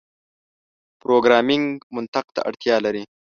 پروګرامنګ منطق ته اړتیا لري.